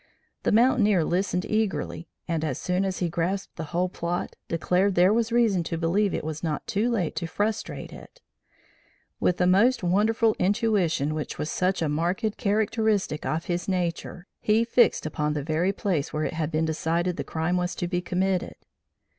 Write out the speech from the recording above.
The mountaineer listened eagerly, and, as soon as he grasped the whole plot, declared there was reason to believe it was not too late to frustrate it. With that wonderful intuition which was such a marked characteristic of his nature, he fixed upon the very place where it had been decided the crime was to be committed.